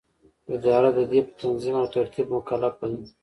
اداره د دې په تنظیم او ترتیب مکلفه ده.